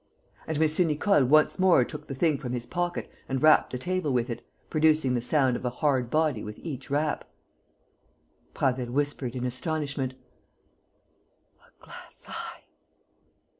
And M. Nicole once more took the thing from his pocket and rapped the table with it, producing the sound of a hard body with each rap. Prasville whispered, in astonishment: "A glass eye!"